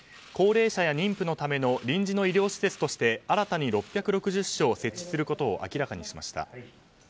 高齢者や妊婦のための臨時の医療施設として新たに６６０床設置することを明らかにしました。